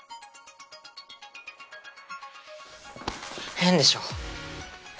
変でしょ？